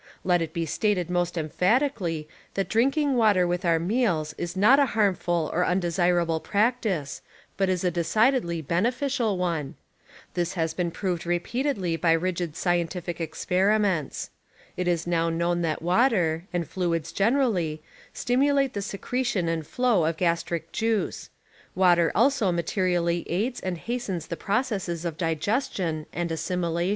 Let it be stated most emphatically that drinking water with our meals is not a liarmful or undesirable practice, but is a decidedly beneficial one. This has been proved repeatedly by rigid scientific experiments. It is now known that water, and fluids generally, stimulate the secretion and flow of gastric juice; water also materially aids and hastens the process<'s of diges tion and assimilati(m.